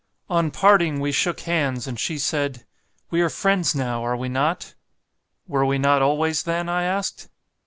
On parting we shook hands, and she said, 'We are friends now, are we not?' 'Were we not always, then?' I asked.